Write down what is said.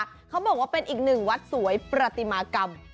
เขาบอกว่าเป็นอีกหนึ่งวัดสวยประติมากรรม